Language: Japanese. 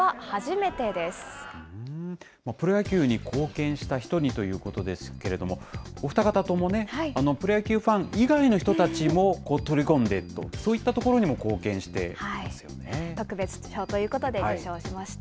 プロ野球に貢献した人にということですけれども、お二方ともね、プロ野球ファン以外の人たちも取り込んでいると、そういったこと特別賞ということで受賞しました。